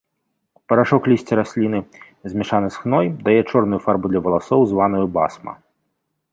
Парашок лісця расліны, змяшаны з хной, дае чорную фарбу для валасоў, званую басма.